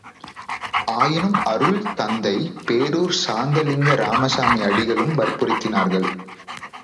ஆயினும் அருள் தந்தை பேரூர் சாந்தலிங்க இராமசாமி அடிகளும் வற்புறுத்தினார்கள்!